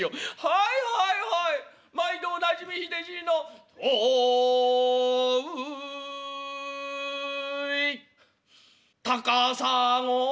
『はいはいはい毎度おなじみひでじいの』『豆腐い』『高砂や』」。